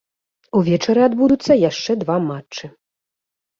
Увечары адбудуцца яшчэ два матчы.